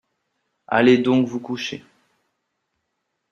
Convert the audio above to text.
Allez donc vous coucher.